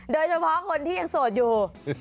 โดยเฉพาะคนที่ยังโสดอยู่